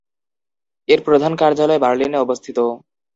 এর প্রধান কার্যালয় বার্লিনে অবস্থিত।